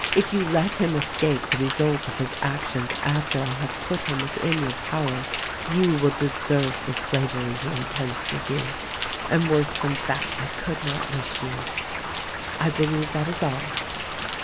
If you let him escape the result of his actions after I have put him within your power, you will deserve the slavery he intends for you ;— and worse than that I could not zvish you. "I believe that is all.